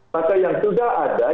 maka yang sudah ada